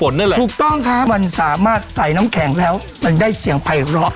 นี่ครั้งนี้ร้านนาฬิกาเป็นสูงกันนาฬิกา